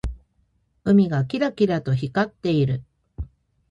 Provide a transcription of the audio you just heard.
海がキラキラと光っている。